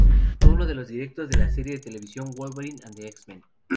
Fue uno de los directores de la serie de televisión Wolverine and the X-Men.